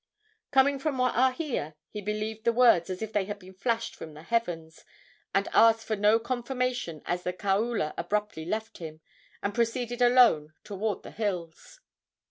Coming from Waahia, he believed the words as if they had been flashed from the heavens, and asked for no confirmation as the kaula abruptly left him and proceeded alone toward the hills.